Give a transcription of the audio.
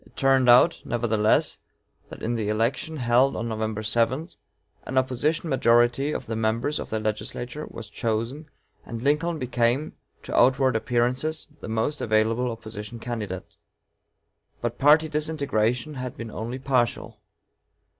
It turned out, nevertheless, that in the election held on November 7, an opposition majority of members of the legislature was chosen, and Lincoln became, to outward appearances, the most available opposition candidate. But party disintegration had been only partial.